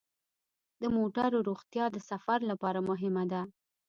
د موټرو روغتیا د سفر لپاره مهمه ده.